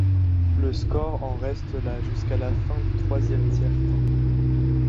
Le score en reste là jusqu'à la fin du troisième tiers-temps.